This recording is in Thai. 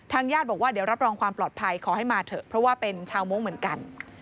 ญาติบอกว่าเดี๋ยวรับรองความปลอดภัยขอให้มาเถอะเพราะว่าเป็นชาวโม้งเหมือนกัน